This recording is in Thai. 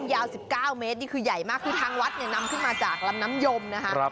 ยาว๑๙เมตรนี่คือใหญ่มากคือทางวัดเนี่ยนำขึ้นมาจากลำน้ำยมนะคะ